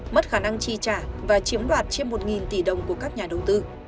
mất khả năng chi trả và chiếm đoạt trên một tỷ đồng của các nhà đầu tư